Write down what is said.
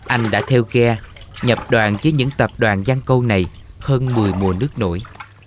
anh đã theo ghe nhập đoàn với những tạp đoàn văn câu này hơn một mươi mùa nước nổi